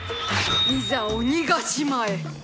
いざ鬼ヶ島へ。